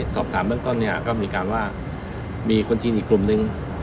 สอบถามเบื้องต้นเนี่ยก็มีการว่ามีคนจีนอีกกลุ่มนึง